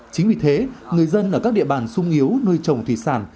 chính vì thế người dân ở các địa bàn sung yếu nuôi trồng thủy sản